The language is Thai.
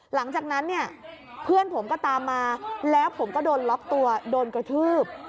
หลังจากนั้นเนี่ยเพื่อนผมก็ตามมาแล้วผมก็โดนล็อกตัวโดนกระทืบ